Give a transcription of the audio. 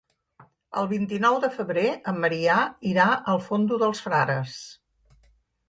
El vint-i-nou de febrer en Maria irà al Fondó dels Frares.